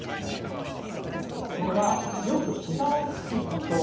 それはよく、ひざをつくこと。